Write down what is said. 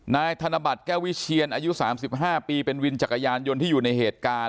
ธนบัตรแก้ววิเชียนอายุ๓๕ปีเป็นวินจักรยานยนต์ที่อยู่ในเหตุการณ์